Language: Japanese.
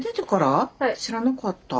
知らなかった。